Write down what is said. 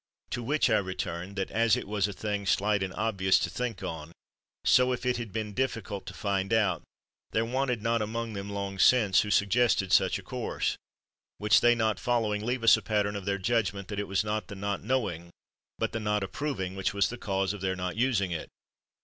To which I return, that as it was a thing slight and 92 MILTON obvious to think on, so if it had been difficult to find out, there wanted not among them long since, who suggested such a course; which they not following, leave us a pattern of their judgment that it was not the not knowing, but the not ap proving, which was the cause of their not using it.